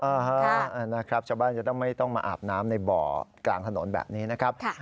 นะครับชาวบ้านจะต้องไม่ต้องมาอาบน้ำในบ่อกลางถนนแบบนี้นะครับ